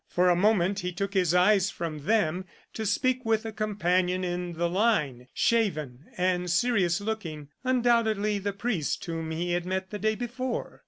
For a moment he took his eyes from them to speak with a companion in the line, shaven and serious looking, undoubtedly the priest whom he had met the day before.